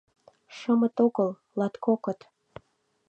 Шымыт огыл - латкокыт: